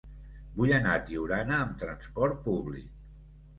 Vull anar a Tiurana amb trasport públic.